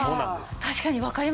確かにわかります。